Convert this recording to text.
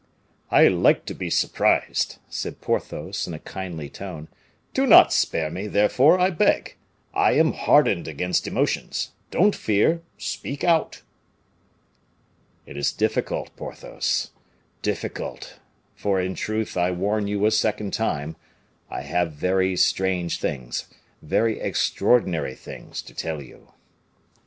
"I like to be surprised," said Porthos, in a kindly tone; "do not spare me, therefore, I beg. I am hardened against emotions; don't fear, speak out." "It is difficult, Porthos difficult; for, in truth, I warn you a second time, I have very strange things, very extraordinary things, to tell you."